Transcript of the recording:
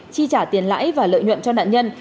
chi trả tiền lãi và lợi nhuận cho nạn nhân